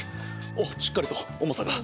おっしっかりと重さが。